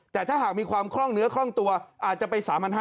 แต่ถ้าหากมีความคล่องเนื้อคล่องตัวอาจจะไป๓๕๐๐